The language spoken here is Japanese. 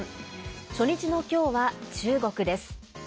初日の今日は中国です。